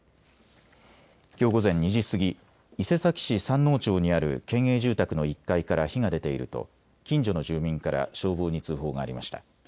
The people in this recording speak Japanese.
きょう午前２時過ぎ、伊勢崎市山王町にある県営住宅の１階から火が出ていると近所の住民から消防に通報がありました。